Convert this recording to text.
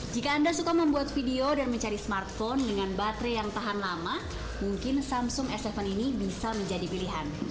jika anda suka membuat video dan mencari smartphone dengan baterai yang tahan lama mungkin samsung s tujuh ini bisa menjadi pilihan